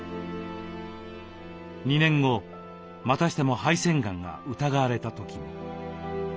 ２年後またしても肺腺がんが疑われた時も。